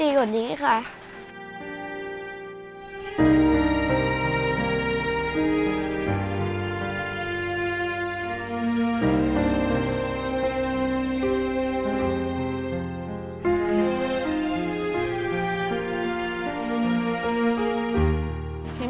เพื่อนช่วยแม่ทีกว่าชีวิตของสุภาพร้อม